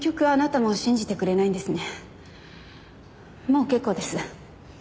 もう結構です。